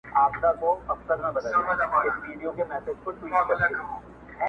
تر مخه ښې وروسته به هم تر ساعتو ولاړ وم.